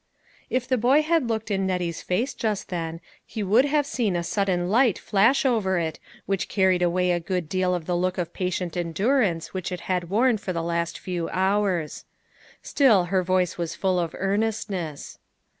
If the boy had looked in Nettie's face just then, he would have seen a sudden light flash over it which carried away a good deal of the look of patient endurance which it had worn for the last few hours. Still her voice was full of earnestness.